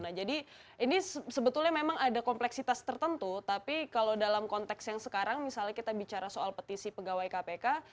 nah jadi ini sebetulnya memang ada kompleksitas tertentu tapi kalau dalam konteks yang sekarang misalnya kita bicara soal petisi pegawai kpk